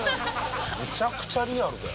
めちゃくちゃリアルだよ。